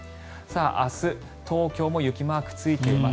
明日、東京も雪マークがついています。